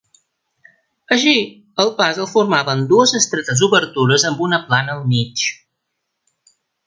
Així, el pas el formaven dues estretes obertures amb una plana al mig.